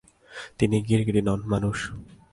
তিনি গিরগিটি নন, মানুষ।